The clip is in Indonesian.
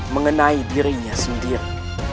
mengenai dirinya sendiri